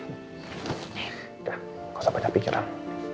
udah nggak usah banyak pikiran